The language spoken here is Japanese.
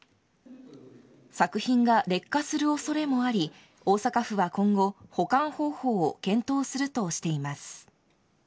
作品が劣化するおそれもあり、大阪府は今後、保管方法を検討するとしています。